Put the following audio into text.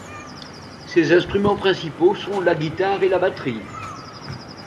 Ses instruments principaux sont la guitare et la batterie.